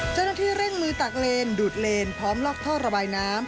เจ้าหน้าที่เร่งมือตักเลนดูดเลนพร้อมลอกท่อระบายน้ำ